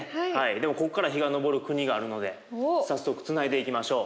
でもここから日が昇る国があるので早速つないでいきましょう。